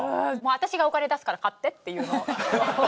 「私がお金出すから買って」って言うのもう。